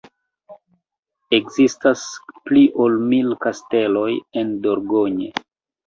Ekzistas pli ol mil kasteloj en Dordogne.